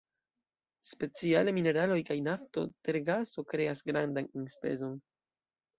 Speciale, mineraloj kaj nafto, tergaso kreas grandan enspezon.